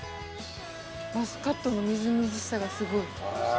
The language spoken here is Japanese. マスカットのみずみずしさがすごい。